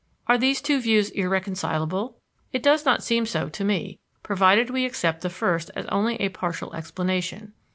Are these two views irreconcilable? It does not seem so to me, provided we accept the first as only a partial explanation.